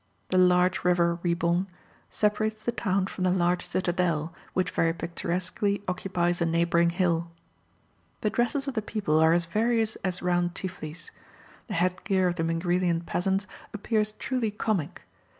The large river Ribon separates the town from the large citadel which very picturesquely occupies a neighbouring hill. The dresses of the people are as various as round Tiflis; the headgear of the Mingrelian peasants appears truly comic.